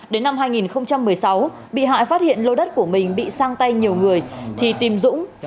đến năm hai nghìn một mươi sáu bị hại phát hiện lô đất của mình bị sang tay nhiều người thì tìm dũng